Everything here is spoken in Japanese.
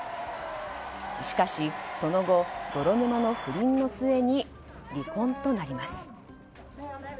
しかし、その後泥沼の不倫の末に離婚となります。